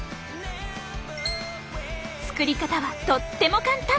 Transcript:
作り方はとっても簡単。